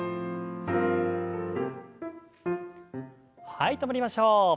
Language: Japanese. はい止まりましょう。